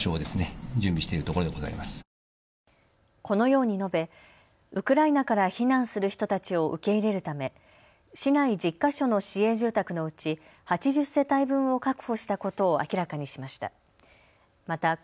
このように述べウクライナから避難する人たちを受け入れるため市内１０か所の市営住宅のうち８０世帯分を確保したことを明らかにしました。